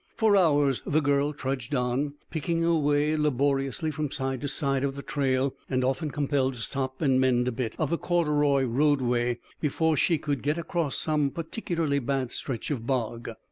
For hours the girl trudged on, picking her way laboriously from side to side of the trail, and often compelled to stop and mend a bit of the corduroy roadway before she could get across some particularly bad stretch of bog.